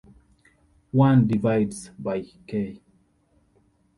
One divides by "k"!